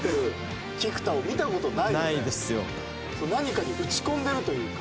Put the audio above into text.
何かに打ち込んでるというか。